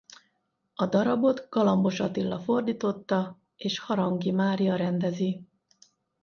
A darabot Galambos Attila fordította és Harangi Mária rendezi.